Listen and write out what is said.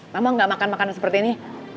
mama gak makan makan seperti ini